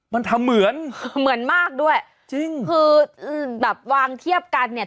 มันทำเหมือนเหมือนมากด้วยจริงคือแบบวางเทียบกันเนี่ย